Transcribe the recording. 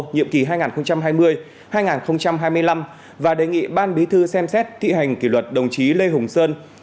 nhiệm kỳ hai nghìn hai mươi hai nghìn hai mươi năm và đề nghị ban bí thư xem xét thi hành kỷ luật đồng chí lê hùng sơn